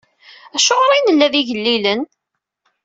Acuɣer i nella d igellilen?